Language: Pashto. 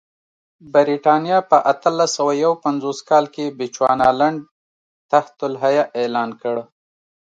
برېټانیا په اتلس سوه یو پنځوس کال کې بچوانالنډ تحت الحیه اعلان کړ.